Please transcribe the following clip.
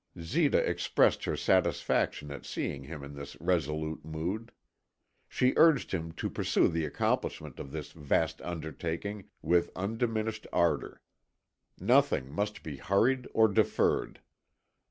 Zita expressed her satisfaction at seeing him in this resolute mood. She urged him to pursue the accomplishment of this vast undertaking with undiminished ardour. Nothing must be hurried or deferred.